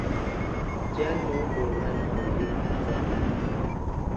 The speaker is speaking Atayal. cyan mu lungan hoyin haca